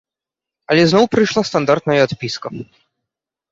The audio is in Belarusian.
Але зноў прыйшла стандартная адпіска.